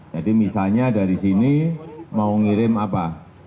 jadi misalnya dari sini mau ngirim apa